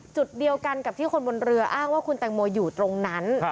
จุดเดียวกันกับที่คนบนเรืออ้างว่าคุณแตงโมอยู่ตรงนั้น